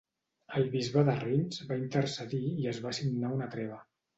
El bisbe de Reims va intercedir i es va signar una treva.